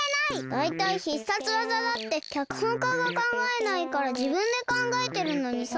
だいたい必殺技だってきゃくほんかがかんがえないからじぶんでかんがえてるのにさ。